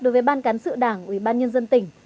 đối với ban cán sự đảng ủy ban nhân dân tỉnh